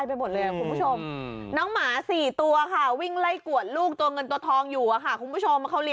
พาไปดูหน่อยซิ